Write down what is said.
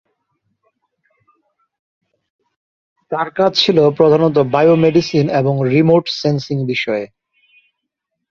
তার কাজ ছিল প্রধানত বায়ো-মেডিসিন এবং রিমোট সেন্সিং বিষয়ে।